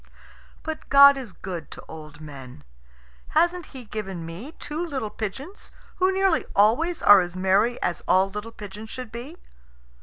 But God is good to old men. Hasn't He given me two little pigeons, who nearly always are as merry as all little pigeons should be?